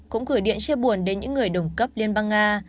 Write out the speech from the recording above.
cũng gửi điện chia buồn đến những người đồng cấp liên bang nga